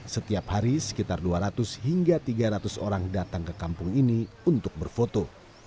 setiap hari sekitar dua ratus hingga tiga ratus orang datang ke kampung ini untuk berfoto